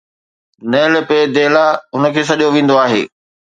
نهل پي دهلا ان کي سڏيو ويندو آهي.